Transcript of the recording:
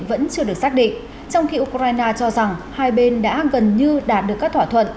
vẫn chưa được xác định trong khi ukraine cho rằng hai bên đã gần như đạt được các thỏa thuận